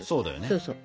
そうそう。